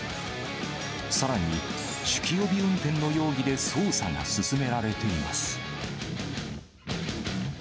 さらに、酒気帯び運転の容疑で捜査が進められています。